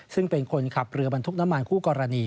ซึ่งเป็นคนขับเรือบรรทุกน้ำมันคู่กรณี